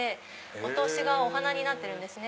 お通しがお花になってるんですね。